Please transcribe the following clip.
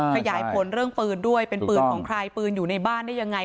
ขยายผลเรื่องปืนด้วยเป็นปืนของใครปืนอยู่ในบ้านได้ยังไง